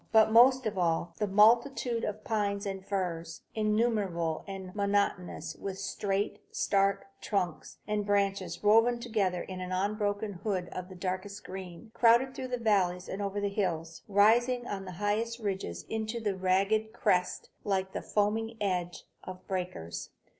But most of all, the multitude of pines and firs, innumerable and monotonous, with straight, stark trunks, and branches woven together in an unbroken Hood of darkest green, crowded through the valleys and over the hills, rising on the highest ridges into ragged crests, like the foaming edge of breakers.